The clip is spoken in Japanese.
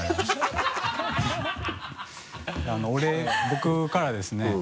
僕からですね